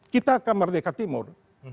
kita ke merdeka timur